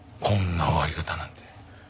こんな終わり方なんて。